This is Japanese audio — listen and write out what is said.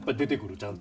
ちゃんと。